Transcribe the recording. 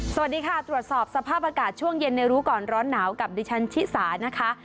สวัสดีค่ะตรวจสอบสภาพอากาศช่วงเย็นในรู้ก่อนร้อนหนาวกับดิฉันชิสานะคะ